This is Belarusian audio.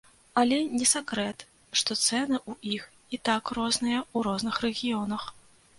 Але не сакрэт, што цэны ў іх і так розныя ў розных рэгіёнах.